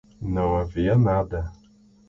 Não havia nada.